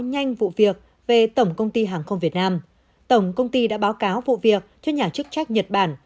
nhanh vụ việc về tổng công ty hàng không việt nam tổng công ty đã báo cáo vụ việc cho nhà chức trách nhật bản